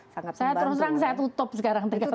sangat saya terus terang saya tutup sekarang